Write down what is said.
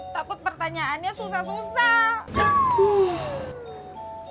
takut pertanyaannya susah susah